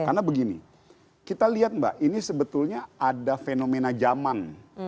karena begini kita lihat mbak ini sebetulnya ada fenomena zaman